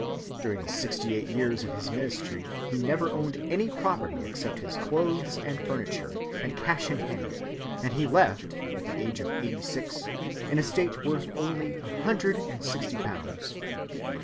(308) During the sixty‐eight years of his ministry, he never owned any property except his clothes and furniture, and cash in hand; and he left, at the age of eighty‐six, an estate worth only a hundred and sixty pounds.